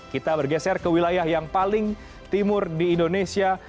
kita bergeser ke wilayah yang paling timur di indonesia